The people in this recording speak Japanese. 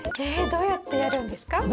えどうやってやるんですか？